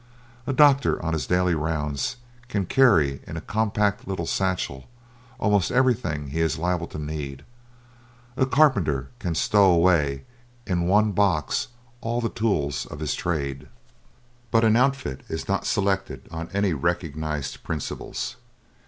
A doctor on his daily rounds can carry in a compact little satchel almost everything he is liable to need; a carpenter can stow away in one box all the tools of his trade. But an outfit is not selected on any recognized principles.